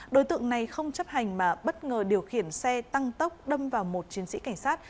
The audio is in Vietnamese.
đối tượng này không chấp hành mà bất ngờ điều khiển xe tăng tốc đâm vào một chiến sĩ cảnh sát